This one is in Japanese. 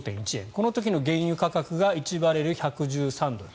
この時の原油価格が１バレル１１３ドル。